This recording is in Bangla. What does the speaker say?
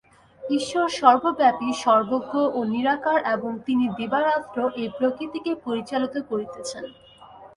ঈশ্বর সর্বব্যাপী, সর্বজ্ঞ ও নিরাকার এবং তিনি দিবারাত্র এই প্রকৃতিকে পরিচালিত করিতেছেন।